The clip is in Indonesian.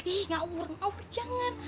ih ngaur ngaur jangan